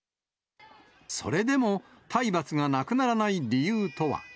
それでも体罰がなくならない理由とは。